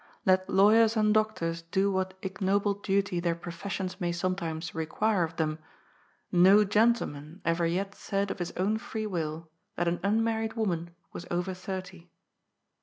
Let lawyers and doctors do what ignoble duty their professions may sometimes require of them ; no gentleman ever yet said of his own free will that an unmarried woman was over thirty.